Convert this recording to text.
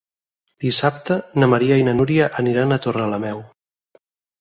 Dissabte na Maria i na Núria aniran a Torrelameu.